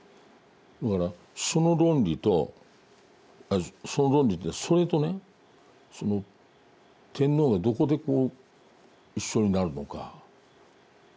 だからその論理とその論理というのはそれとねその天皇がどこでこう一緒になるのか。